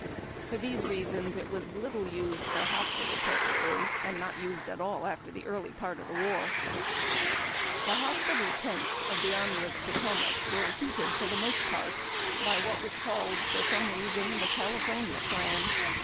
For these reasons it was little used for hospital purposes, and not used at all after the early part of the war. HOSPITALS AND AMBULANCES. 301 The hospital tents in the Army of the Potomac were heated, for the most part, by what was called, for some reason, tlie California Plan.